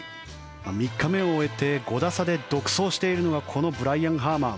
３日目を終えて５打差で独走しているのはこのブライアン・ハーマン。